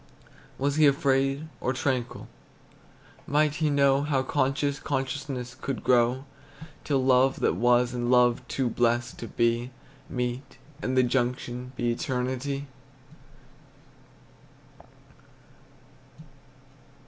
Was he afraid, or tranquil? Might he know How conscious consciousness could grow, Till love that was, and love too blest to be, Meet and the junction be Eternity?